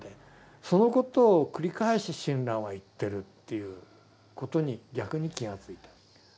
そのことを繰り返し親鸞は言ってるということに逆に気がついた。